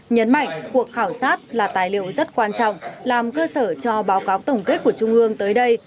nhấn mạnh cuộc khảo sát là tài liệu rất quan trọng làm cơ sở cho báo cáo tổng kết của trung ương tới đây